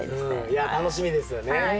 いや楽しみですよね。